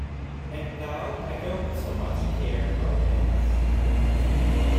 And now I don't so much care how it ends.